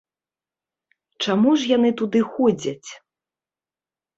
Чаму ж яны туды ходзяць?